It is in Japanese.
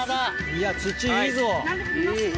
いや土いいぞ。